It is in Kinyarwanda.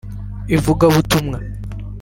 ivugabutumwa